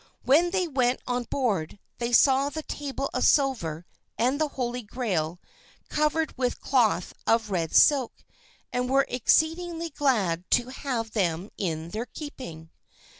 When they went on board they saw the table of silver and the Holy Grail covered with a cloth of red silk, and were exceeding glad to have them in their keeping.